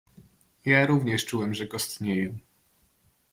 "Ja również czułem, że kostnieję."